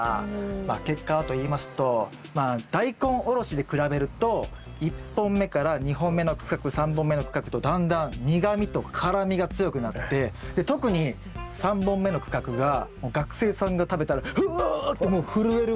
結果はといいますとダイコンおろしで比べると１本目から２本目の区画３本目の区画とだんだん苦みと辛みが強くなって特に３本目の区画が学生さんが食べたらああってもう震えるほどの。